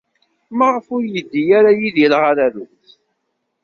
Maɣef ur yeddi ara Yidir ɣer Rrus?